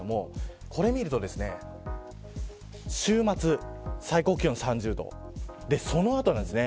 これを見ると週末、最高気温３０度その後です。